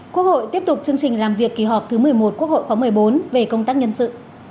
quốc hội tiếp tục chương trình làm việc kỳ họp thứ một mươi một quốc hội khóa một mươi bốn về công tác nhân sự